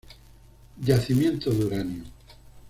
Yacimiento de uranio.